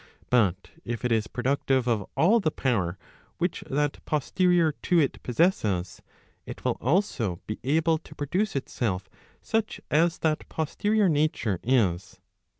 But if it is productive of all the power which that posterior to it possesses, it will also be able to pro¬ duce itself such as that posterior nature is.